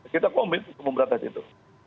kita komit untuk memberantas itu